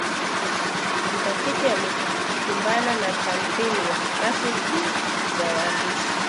Mtafiti alikumbana na tamthilia tatu tu za waandishi